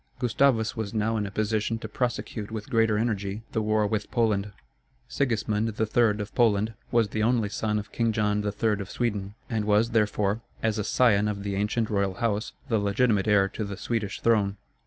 Gustavus was now in a position to prosecute with greater energy the war with Poland. Sigismund III., of Poland, was the only son of King John III., of Sweden, and was, therefore, as a scion of the ancient royal house, the legitimate heir to the Swedish throne.